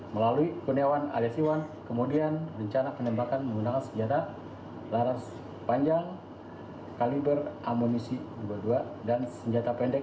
melalui kurniawan alias iwan kemudian rencana penembakan menggunakan senjata laras panjang kaliber amunisi dua puluh dua dan senjata pendek